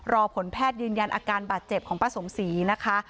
รอผลแพทย์ยืนยันอาการบาดเจ็บของป้าสมศรีนะคะ